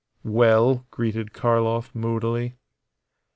"Well?" greeted Karlov, moodily.